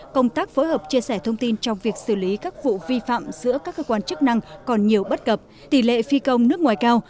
công tác phối hợp chia sẻ thông tin trong việc xử lý các vụ vi phạm giữa các cơ quan chức năng còn nhiều bất cập tỷ lệ phi công nước ngoài cao